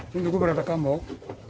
sementara di jawa tengah